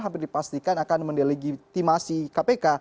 hampir dipastikan akan mendelegitimasi kpk